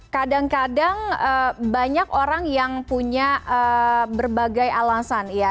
kadang kadang banyak orang yang punya berbagai alasan ya